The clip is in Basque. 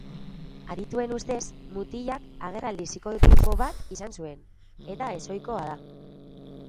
Adituen ustez, mutilak agerraldi psikotiko bat izan zuen, eta ezohikoa da.